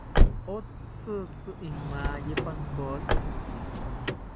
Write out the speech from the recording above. Otzitzi imaye pankotziki